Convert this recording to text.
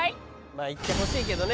まあいってほしいけどね